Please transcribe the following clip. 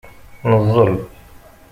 Neẓẓel.